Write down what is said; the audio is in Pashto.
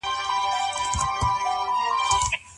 وارثانو ولي ښځه په نکاح کوله؟